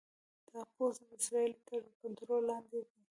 دغه پوستې د اسرائیلو تر کنټرول لاندې دي.